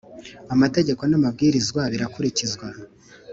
amategeko n’amabwirizwa birakurikizwa